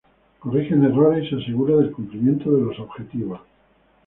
Corrigen errores y se asegura del cumplimiento de los objetivos.